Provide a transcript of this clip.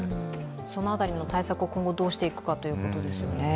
その辺りの対策を今後どうしていくかですね。